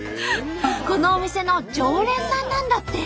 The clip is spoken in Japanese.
このお店の常連さんなんだって。